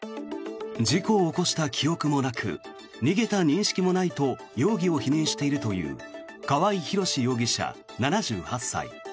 事故を起こした記憶もなく逃げた認識もないと容疑を否認しているという川合廣司容疑者、７８歳。